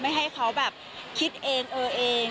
ให้เขาแบบคิดเองเออเอง